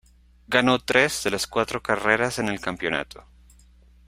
Ganó tres de las cuatro carreras en el campeonato.